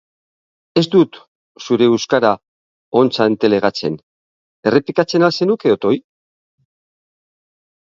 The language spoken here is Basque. Ez dut zure euskara ontsa entelegatzen, errepikatzen ahal zenuke otoi?